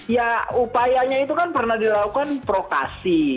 ya upayanya itu kan pernah dilakukan prokasi